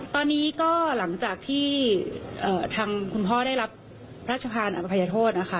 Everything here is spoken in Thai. ตอนนี้ก็หลังจากที่ทางคุณพ่อได้รับพระราชทานอภัยโทษนะคะ